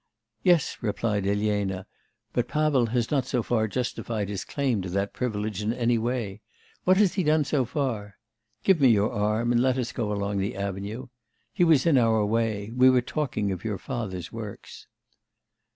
'Yes,' replied Elena; 'but Pavel has not so far justified his claim to that privilege in any way. What has he done so far? Give me your arm, and let us go along the avenue. He was in our way. We were talking of your father's works.